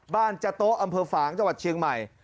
จ๊โต๊ะอำเภอฝางจังหวัดเชียงใหม่